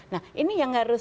nah ini yang harus